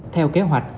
theo kế hoạch